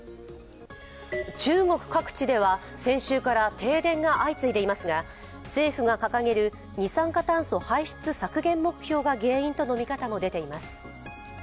中国各地では先週から停電が相次いでいますが政府が掲げる二酸化炭素排出削減目標が原因との見方も出ています。